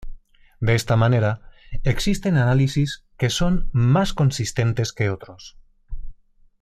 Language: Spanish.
De esta manera existen análisis que son más consistentes que otros.